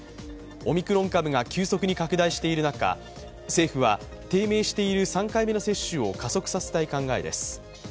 オミクロン株が急速に拡大している中政府は低迷している３回目の接種を加速させたい考えです。